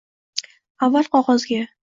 Avval qog‘ozga